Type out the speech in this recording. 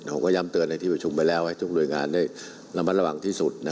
แล้วผมก็ยำเตือนที่ประชุมไปแล้วให้ทุกโรยงานได้ระวังที่สุด